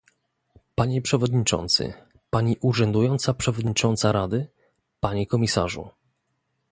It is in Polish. Panie przewodniczący, pani urzędująca przewodnicząca Rady, panie komisarzu